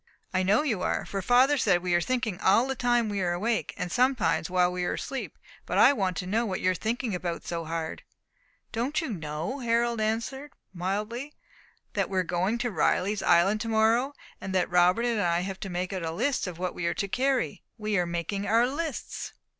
"I know you are; for father said we are thinking all the time we are awake, and sometimes while we are asleep. But I want to know what you are thinking about so hard." "Don't you know," Harold answered, mildly, "that we are going to Riley's Island tomorrow, and that Robert and I have to make out a list of what we are to carry? We are making our lists."